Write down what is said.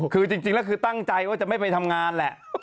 คือจริงแล้วคือตั้งใจว่าจะไม่ไปทำงานแหละ